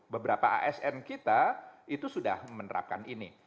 beberapa asn kita itu sudah menerapkan ini